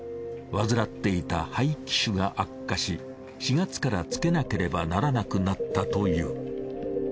患っていた肺気腫が悪化し４月からつけなければならなくなったという。